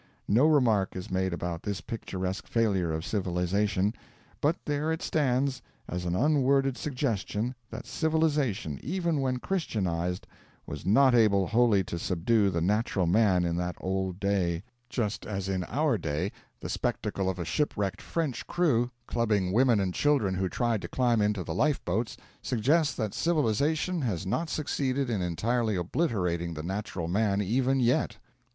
No remark is made about this picturesque failure of civilisation; but there it stands, as an unworded suggestion that civilisation, even when Christianised, was not able wholly to subdue the natural man in that old day just as in our day the spectacle of a shipwrecked French crew clubbing women and children who tried to climb into the lifeboats suggests that civilisation has not succeeded in entirely obliterating the natural man even yet.